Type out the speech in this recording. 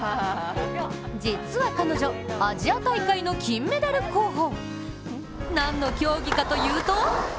実は彼女、アジア大会の金メダル候補。